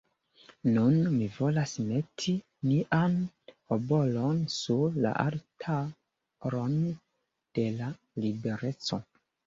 Nun mi volas meti mian obolon sur la altaron de la libereco.